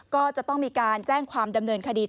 ก็จะต้องมีการแจ้งความดำเนินคดี